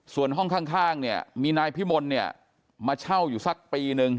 ส่วนห้องข้างมีนายพิมลมาเช่าอยู่สักปีนึง